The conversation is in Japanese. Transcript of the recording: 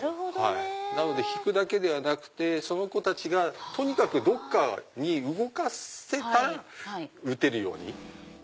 なので引くだけではなくてその子たちがとにかくどこかに動かせたら打てるように。